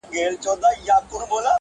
همېشه به وه روان پکښي جنگونه؛